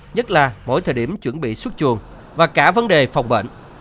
nhất là mỗi thời điểm chuẩn bị xuất chuồng và cả vấn đề phòng bệnh